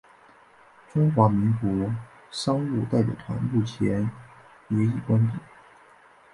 中华民国商务代表团目前也已关闭。